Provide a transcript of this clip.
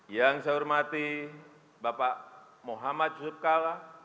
yang saya hormati bapak muhammad yusuf kalla